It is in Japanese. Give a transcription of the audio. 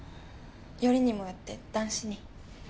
よりにもよって男子に。